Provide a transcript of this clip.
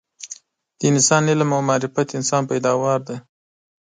د انسان علم او معرفت انسان پیداوار دي